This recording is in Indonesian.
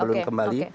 belum ada informasi